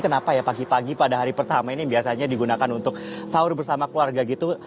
kenapa ya pagi pagi pada hari pertama ini biasanya digunakan untuk sahur bersama keluarga gitu